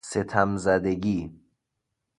ستم زدگی